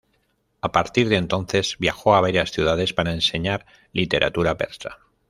A partir de entonces viajó a varias ciudades para enseñar literatura persa.